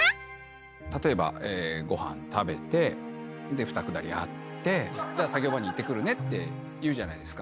例えばご飯食べて２くだりあって作業場に行ってくるねって言うじゃないですか。